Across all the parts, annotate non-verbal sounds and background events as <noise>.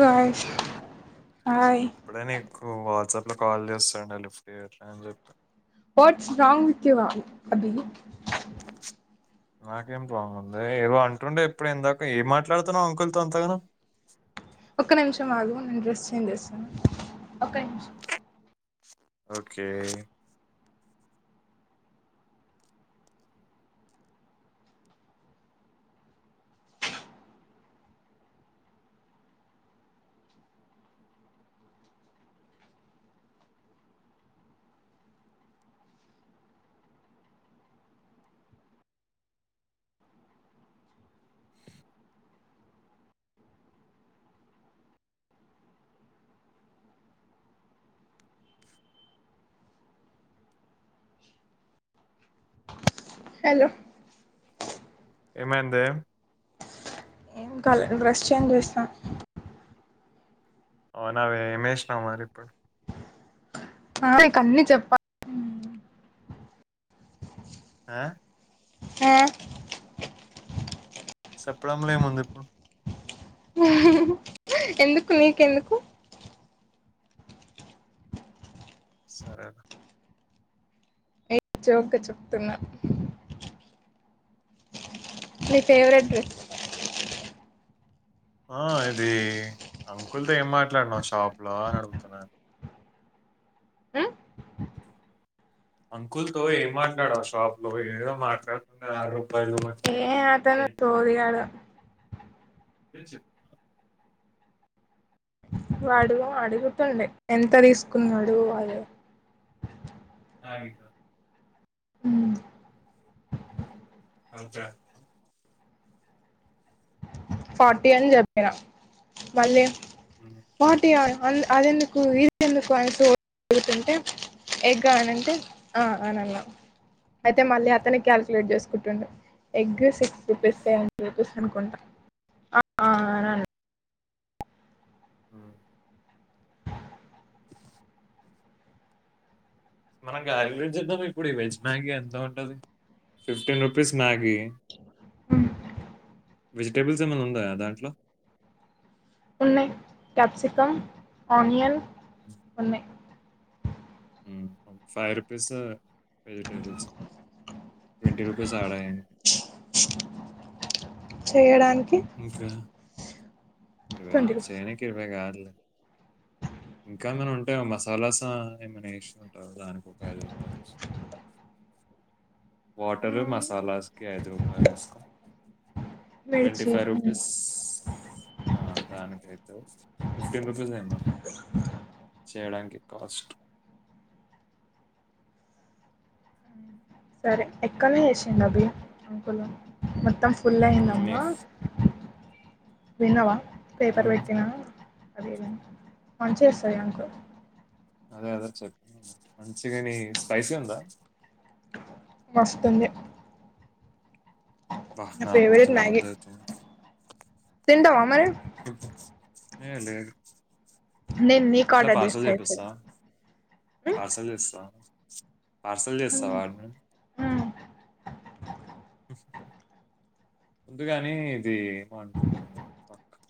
Voice hi ఇప్పుడైన ఎక్కువ WhatsApp లో కాల్ చేస్తాండే లిఫ్ట్ చేయట్లే అని చెప్పా వట్స్ రాంగ్ విత్ రా అభి నాకేం బాగుంది ఏవో అంటుండే ఎప్పుడు ఇందాక ఏం మాట్లాడుతున్నావు అంకుల్తో అంతగానం ఒక్క నిమిషం ఆగు నేను డ్రెస్ చేంజ్ చేస్తాను ఒక నిమిషం ఓకే హలో ఏమైందే ఏం కాలే డ్రెస్ చేంజ్ చేసిన అవునావే ఏం చేసినావ్ మరి ఇప్పుడు ఆ నికన్నీ చెప్ప ఆ ఆ చెప్పడంలో ఏము ఉంది ఇప్పుడు ఊ హు హు ఎందుకు నీకెందుకు సరే జోక్ గా చెప్తున్నా మీ ఫేవరెట్ డ్రెస్ ఆ ఇది అంకుల్తో ఏం మాట్లాడుతున్నావు షాప్ లో అని అడుగుతున్నాను ఉమ్, అంకుల్తో ఏం మాట్లాడవు షాప్ లో ఏదో మాట్లాడారూ ఏ అతను తోలుకెళ్ళు ఇన్సెల్ వాడు అడుగుతుండే ఎంత తీసుకున్నాడు అని లాగ స అ ఇన్స ఫార్టీ అని ఉమ్, చెప్పిన మల్లె మోటియాన్ అది ఎందుకు ఇది ఎందుకు అంటే ఉంటుంటే ఎగ్గన్ నంటే ఆఅ ఆ ఆరారే ఆ <unintelligible> మనం గార వెజ్ చెద్దాం ఇప్పుడు వెజ్ మ్యాగీ ఎంత ఉంటది ఫిఫ్టీన్ రూపీస్ మ్యాగీ వెజిటేబుల్స్ ఏమైనా ఉన్నయా దాంట్లో ఉన్నాయ్ క్యాప్సికమ్ ఆనియన్ ఉన్నాయ్ five rupees vegetables twenty rupees add అయ్యాయి చెయ్యడానికి మిన్సా మిల్కా ట్వంటీ రూపీస్ చేనికి ఇప్పుడు కాదులే ‌ మడిచెప్ ఆ దానికైతే ఫిఫ్టీన్ రూపీస్ అయింది చేయడానికి కాస్ట్ సరే ఎక్కాల ఎసన్ అభి అంకులూ మొత్తం ఫుల్ హ్మ్. అయ్యిందామ్మ నీ విన్నవా పేపర్ హ్మ్. పెట్టినా అదేడ పనిచేస్తాయా అంకుల్ అదే అదే చెప్ప మంచిగాని స్పైసీ ఉందా మస్తుంది వాహ నా కూడా ఫేవరెట్ మ్యాగీ తినబుద్ధి అయితుంది అమల్ లే లేదు నేను నీకు ఎట్లా ఆర్డర్ పార్సల్ చేస్తా ఇప్పుడు చేపిస్తా పార్సల్ చేస్తా పార్సల్ చేస్తా ఉమ్ వాడిన్ని ఉమ్ అ ముందుగాని ఇది ఏమో అంటుండే పక్కన్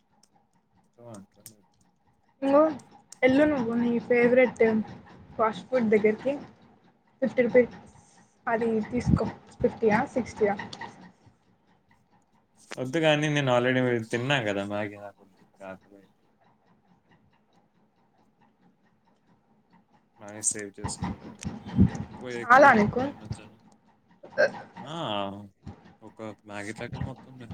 ఏమో అంటుండే ఇంగో ఎల్లుండి నీ ఫేవరెట్ ఫాస్ట్ ఫుడ్ దగ్గరికి ఫిఫ్టీ రూపీస్ అది తీసుకో ఫిఫ్టీయా సిక్స్టీయా వద్దు గానీ నిన్న ఆల్రెడీ తిన్నా కదా అ సేవ్ చేసుకుంట ఎక్కువ ఎక్కువ చాలా నీకు ఆడుతున్నాయి మధ్యన ఆ ఓక మ్యాగీ పాకెట్ మొత్తం న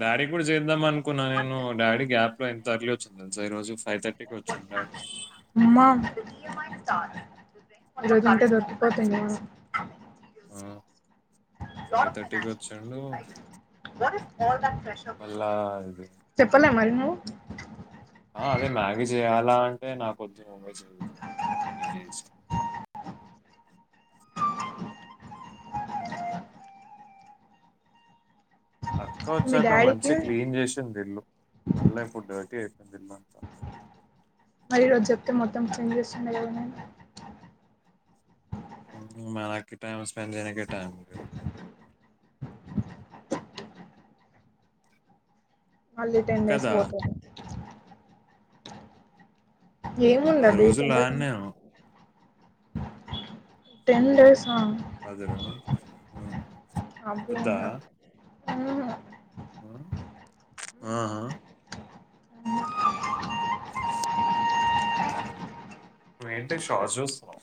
డాడీ కి చెప్ కద్దామ అనుకున్నా నేను డాడీ గ్యాప్ లో ఎంత అర్లీ వచ్చిందో తెలుసా ఈరోజు ఫైవ్ థర్టీ కి వచ్చేను డాడీ ఉమ్మా ఈరోజు ఉంటే దొరికిపోతుండే ఆ ఫైవ్ థర్టీకి వచ్చిండు కో చెప్పలే మరి నువ్వు ఎలా అంటే నా కొద్దిగా ఉండే జీవితం ఇది అక్క మీ వచ్చాక మంచి డాడీకి క్లీన్ చేసింది ఇల్లు మళ్ళ ఇప్పుడ్ డర్టీ అయిపో తండ్రి మంత మరి ఈ రోజు చెప్తే మొత్తం క్లీన్ చేస్తుండ కదనే మనకి టైమ్ స్పెండ్ చేయానికే టైమ్ లేదు మళ్లీ టెన్ డేస్ కి కదా! పోతావ్ ఏముందా బీట రోజులు రాను టెన్ డేస్ఆ హాధార. <inaudible> హ్ హ <inaudible> ఏంటి షార్ట్స్ చూస్తునవ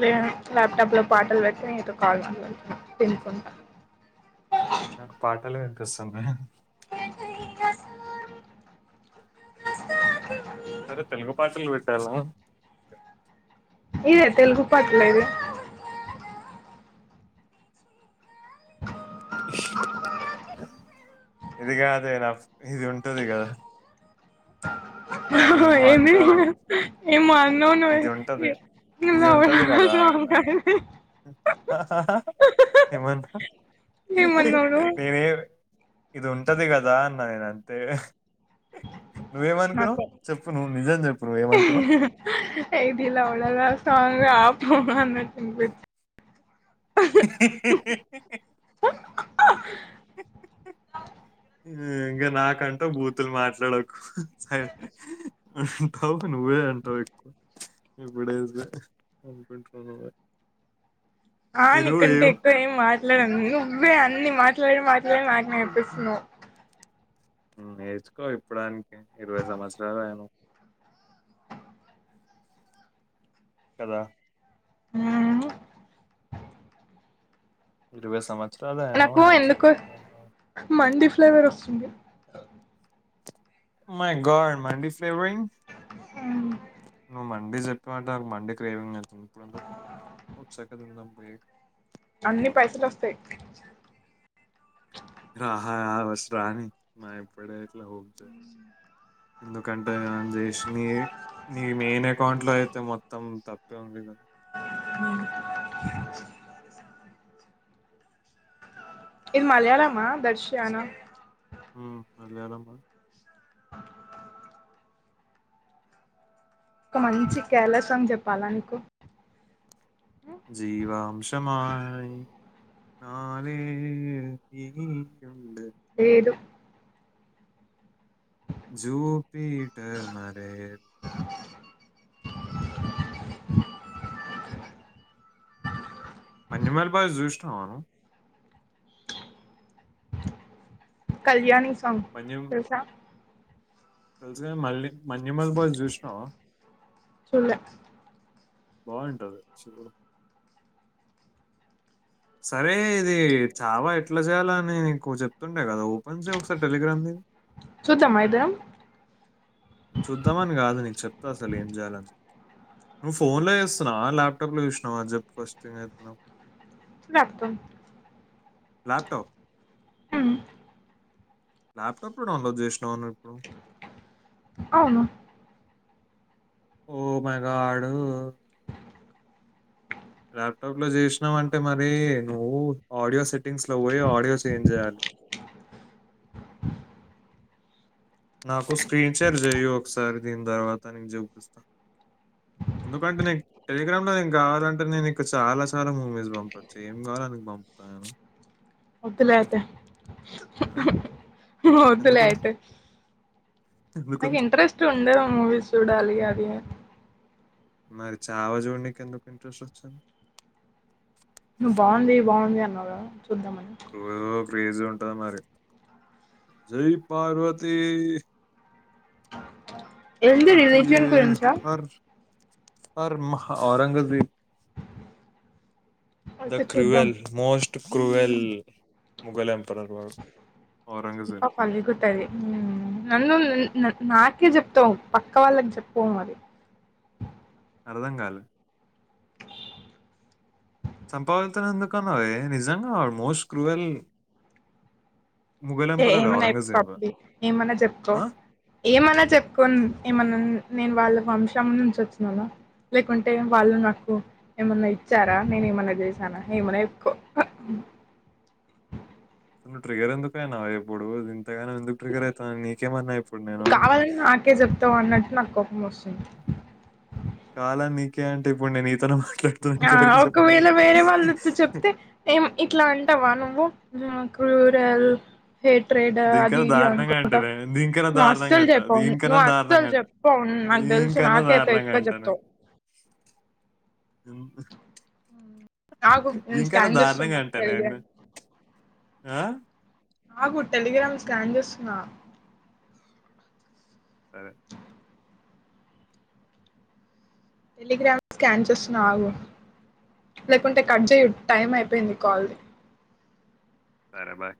లే ల్యాప్టాప్ లో పాటలు పెట్టి నీతో కాల్ మాట్లాడుతున తినుకుంటాను. నాకు పాటలు వినిపిస్తుాంది. వస్తాకి... హసలు. ఇదె తెలుగు పట్లేది ఇది కాదే నా ఇది ఉంటుది కదా ఓహో దాన్నేమో ఏమి అంటారు. ఏమన్ ఇది ఉంటది ఇది ఉంటది లాల కదా సాంగ్ అది ఏమన్నావు నువ్వు ఇది ఉంటది కదా అన్న కదా తేడ నువ్వేమనుకునవ్ నాకు చెప్పు నువ్వు నిజం చెప్పు నువ్వే మనుకునవ్ ఎ బిర్ల వదుర సాంగ్ ఆపు అన్నట్టుంది <inaudible> ఇంక నాకంటూ బూతులు మాట్లడకు. సరే ఆహ్ తోపు నువ్వే అంటవ్ ఇప్పుడైతే. అనుకుంటున్నావ. ఆహ్ నికంటే ఎక్కువ ఏమ్ మాట్లాడను నేను నువ్వే అన్ని మాట్ క్య్లే మాట్ నువ్వే మాకు నేర్పిస్తున్నావ్. నువ్వు నేర్చుకో ఇప్పడానికి. ఇరవై సంవత్సరాల నువ్. కదా. ఆహ్ ఇరువై సంవ <unintelligible> నాకు నేర్చుకో ఎందుకో మండి ఫ్లేవర్ వస్తుంది. My god mandis. ట్రేంగ్ <inaudible> మీరు చెప్పమంటారు మండిక్రేవింగ్ అని. ఇప్పుడు ఎందుకు వచ్చాక తిందాము. అన్ని పైసలు వస్తాయి. ఆహ్ ఫస్ట్ రాని మనం ఇప్పుడే ఇట్లా ఊపుతే. ఎందుకంటే మనం చేసినవే నీ మెయిన్ అకౌంట్ లో అయితే మొత్తం తప్పే ఉంది కదా. ఉమ్ ఇది మలయాళమా దర్శ్యనా ఉమ్ మలయాళం. ఒక మంచి కేరళ సాంగ్ చెప్పాలా నీకు. జీవాంశమ ఇ నాలుగే ఎగి లేేదు జూ పీటర్ మరేత్ నా. <inaudible> మజమల్ బాయ్స్ చూసినవా నువ్వు. కళ్యాణి స్ ఆహ్ తెలుసా. తెలుసుగా మళ్ళీ. మన్యుమల్ బాయ్స్ చూసినావా. చూడలే బాగుంటది చూడు. అరే ఇది చావా ఎట్లా చేయాలని నీకు చెప్తుం ఓపెనే కదా ఓపెన్ చేయి ఒకసారి టెలిగ్రామ్ ది చూద్దామా ఇద్దరం చూద్దామని కాదు నీకు చెప్ అసలు ఏం చేయాలని చెప్పు నువ్వు ఫోన్ లో చేస్తున్నావ ల్యాప్ టాప్ లో చూసినావ అది చెప్పి ఫస్ట్ థింగ్ రత్తం ల్యాప్ టాప్ హుమ్ ల్యాప్ టాప్ లో డౌన్లోడ్ చేసినావ నువ్వు ఇప్పుడు అవును oh my god laptop లో చేసినావ్ అంటే మరీ నువ్వు ఆడియో సెట్ టింగ్స్ లో పోయి ఆడియో చేంజ్ చేయాలి నాకు స్క్రీన్ షేర్ చేయు ఒకసారి దీని తర్వాత నీకు చూపిస్తా ఎందుకంటే నేను టెలిగ్రామ్ లో నే కావాలం అంటే నేను ఇ చాలా చాలా మూవీస్ పంపొచ్చు ఏం కావాలో అవి పంపుతా నేను వద్దులే అయితే ఆ వద్దులే ఎందుకొద్దు అయితే నాకు ఎందుకొద్దు? ఇంట్రెస్ట్ ఉండదు మూవీస్ చూడాలి అది అని మరి చావా చూడ్నికి ఎందుకు ఇంట్రెస్ట్ వచ్చింది నువ్వు బాగుంది బాగుంది అన్నావ్ కదా చూద్దాం ఓ క్రేజ్ ఉంటది మరి జై పార్వతి ఏంది పతియే రిలేషన్ గురించా హర్ హర్ మహ ఔరంగజీబ్ ద అయితే చూద్దాం క్రూవెల్ మోస్ట్ క్రూవెల్ ముగలం మొకం పలుగుతది హుమ్ నన్ను న్ నాకే చెప్తవ్ పక్క వాళ్ళకి చెప్పు పో మరి అర్థం కాలే చంపపగుల్తదని ఎందుకన్నవే నిజంగా ఆడు మోస్ట్ క్రూయల్ ముఘల్ ఏ ఎంపరర్ ఏమన్నా చెప్పుకో ఔరంగజేబ్. అబ్బి ఏమన్నా చెప్పుకో ఆ! ఏమన్నా చెప్పుకో ఏమన్నన్ నేను వాళ్ళ వంశం నుంచి వచ్చిననా లేకుంటే వాళ్ళు నాకు ఏమన్నా ఇచ్చారా నేను ఏమన్నా చేశానా ఏమన్నా చెప్పుకో పో నువు ట్రిగర్ ఎందుకు అయినవే ఇప్పుడు దిన్ ఇంతగనం ఎందుకు ట్రిగ్గర్ అయితున్నావ్ నీకేమన్నా ఇప్పుడు నేను నువ్వు మస్ కాలనీ కే అంటే ఇప్పుడు నేను నీతోనే మా ఆ ఒకవేళ వేరే వాళ్లొచ్చి చెప్తే ఏం ఇట్లా అంటావ నువ్వు నాకు వే <unintelligible> హేట్రేడ్ అది దీనికన్నా ఇది దారుణంగా అంట అనుకుంటా నేను దీనికన్నా నువ్వు దారుణంగా అస్సలు అంట చెప్పవు దీనికన్నా నువ్వు అస్సలు దారుణంగా అంట చెప్పవు నాకు తెలుసు దీనికన్నా నాకే చెప్పే దారుణంగా ఎక్కువ అంట నేను చెప్తవ్ ఆగు నేను దీనికన్నా స్కాన్ దారుణంగా చేస్తున్నా అంట నేను <unintelligible> ఆ ఆగు టెలిగ్రామ్ స్కాన్ చేస్తున్నా <unintelligible> టెలిగ్రామ్ స్కాన్ చేస్తున్నా ఆగు లేకుంటే కట్ చేయు టైం అయిపోయింది కాల్ సరే బై